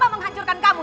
mama menghancurkan kamu